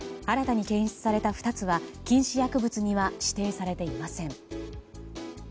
新たに検出された２つは禁止薬物には指定されていません。